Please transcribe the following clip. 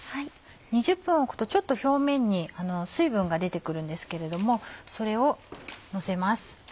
２０分置くとちょっと表面に水分が出て来るんですけれどもそれをのせます。